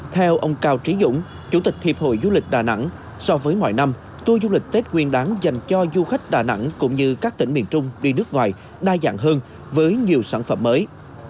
theo ông cao trí dũng chủ tịch hiệp hội du lịch đà nẵng so với mọi năm tour du lịch tết quyên đáng dành cho du khách đà nẵng cũng như các tỉnh miền trung đi nước ngoài đa dạng hơn với nhiều sản phẩm mới